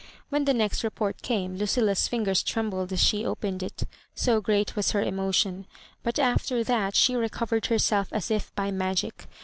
When the next report came, Lucilla's fingers trembled as she opened it, so great was her emotion; but after that she recovered herself as if by mag^c.